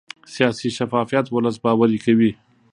سیاسي شفافیت ولس باوري کوي